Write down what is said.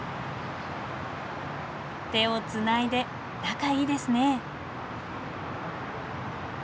手をつないで仲いいですね。